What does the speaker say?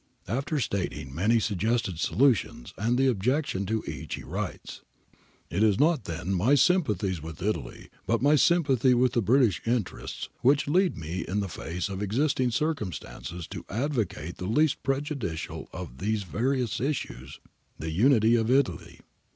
After stating many suggested solutions and the objection to each, he writes, ' It is not then my sympathies with Italy, but my sympathy with British interests which leads me in the face of existing circumstances to advocate the least prejudicial of these various issues, the Unity of Italy.'